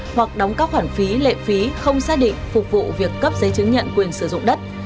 hoặc đóng các khoản phí lệ phí không xác định phục vụ việc cấp giấy chứng nhận quyền sử dụng đất